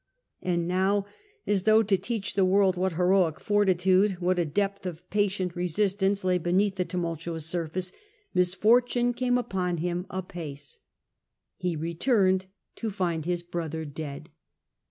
And now, as though to teach the world what heroic fortitude, what a depth of patient resistance, lay beneath the tumultuous surface, misfortune came upon him apace. He returned to find his brother dead.